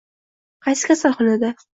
Qaysi kasalxonada